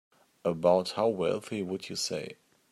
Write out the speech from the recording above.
About how wealthy would you say?